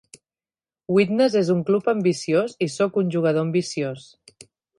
Widnes és un club ambiciós i sóc un jugador ambiciós.